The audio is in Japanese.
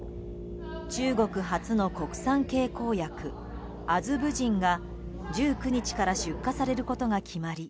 中国初の国産経口薬アズブジンが１９日から出荷されることが決まり